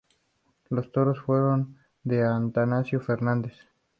Los toros fueron de Atanasio Fernández.